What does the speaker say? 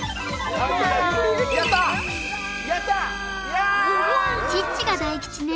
用意チッチが大吉ね